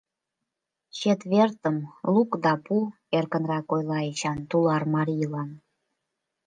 — Четвертым лук да пу, — эркынрак ойла Эчан тулар марийлан.